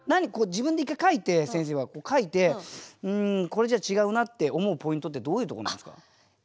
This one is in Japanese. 自分で一回書いて先生は書いて「うんこれじゃ違うな」って思うポイントってどういうところなんですか。